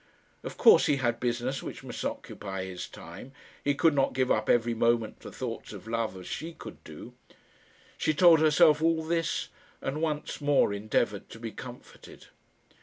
Of course he had business which must occupy his time. He could not give up every moment to thoughts of love, as she could do. She told herself all this, and once more endeavoured to be comforted.